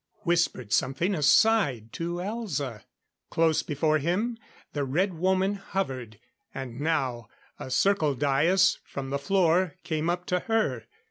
Whispered something aside to Elza. Close before him, the Red Woman hovered. And now a circle dais from the floor came up to her.